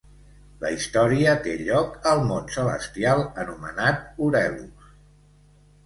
La història té lloc al món celestial anomenat Orelus.